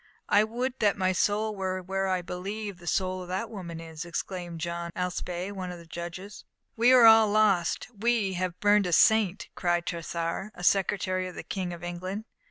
"I would that my soul were where I believe the soul of that woman is!" exclaimed Jean Alespée, one of the judges. "We are all lost; we have burnt a saint!" cried Tressart, a secretary of the King of England.